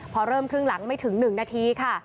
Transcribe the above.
พอเริ่มครึ่งหลังไม่ถึง๑นาทีค่ะ